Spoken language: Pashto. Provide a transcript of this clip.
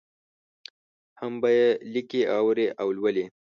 هم به یې لیکي، اوري او لولي.